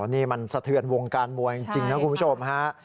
นี่มันสะเทือนวงการมวยจริงนะคุณผู้ชมฮะ